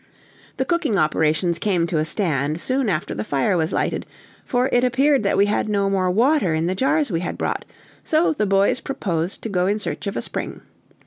The cooking operations came to a stand soon after the fire was lighted, for it appeared that we had no more water in the jars we had brought, so the boys proposed to go in search of a spring.